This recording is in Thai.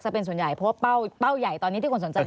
เป็นส่วนใหญ่เพราะว่าเป้าใหญ่ตอนนี้ที่คนสนใจ